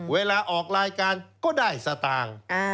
เวลาออกรายการก็ได้สตางค์